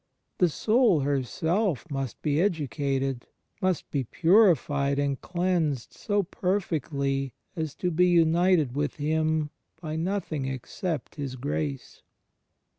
The soul herself must be educated, must be purified and cleansed so perfectly as to be tmited with Him by nothing except His grace.